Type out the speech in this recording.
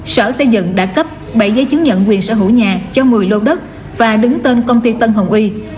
sở xây dựng đã cấp bảy giấy chứng nhận quyền sở hữu nhà cho một mươi lô đất và đứng tên công ty tân hồng uy